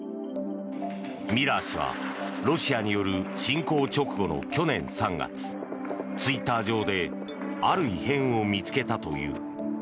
ミラー氏はロシアによる侵攻直後の去年３月ツイッター上である異変を見つけたという。